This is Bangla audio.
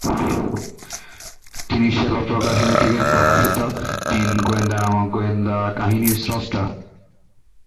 তিনি সেবা প্রকাশনী থেকে প্রকাশিত তিন গোয়েন্দা নামক গোয়েন্দা কাহিনীর স্রষ্টা।